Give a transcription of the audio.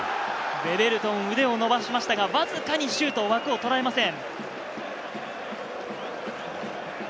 ウェベルトン、腕を伸ばしましたが、わずかにシュート、枠をとらえません。